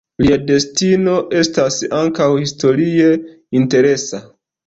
Lia destino estas ankaŭ historie interesa.